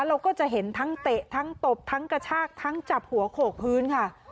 เราก็จะเห็นทั้งเตะทั้งตบทั้งกระชากทั้งจับหัวโขกพื้นค่ะ